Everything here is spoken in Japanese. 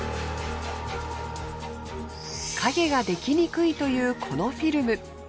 影が出来にくいというこのフィルム。